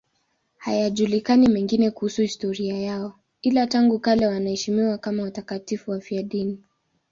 Hayajulikani mengine kuhusu historia yao, ila tangu kale wanaheshimiwa kama watakatifu wafiadini.